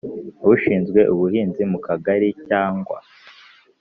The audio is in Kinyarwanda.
Ushinzwe ubuhinzi mu kagari cyangwa